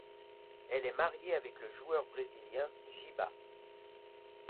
Elle est mariée avec le joueur brésilien, Giba.